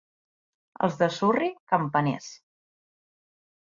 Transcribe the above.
Els de Surri, campaners.